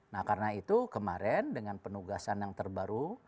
nah karena itu kemarin dengan penugasan yang terbaru